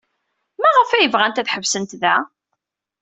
Maɣef ay bɣant ad ḥebsent da?